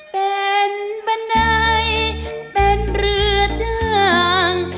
เป็นบันไดเป็นเรือจ้าง